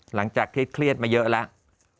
หลังจากที่เครียดมาเยอะแล้ว